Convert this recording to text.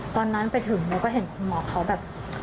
ตอนนั้นไปถึงหนูก็เห็นคุณหมอเขาแบบ